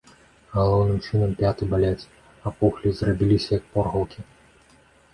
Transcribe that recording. Галоўным чынам пяты баляць, апухлі, зрабіліся як порхаўкі.